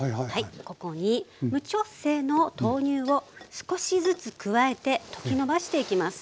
ここに無調整の豆乳を少しずつ加えて溶きのばしていきます。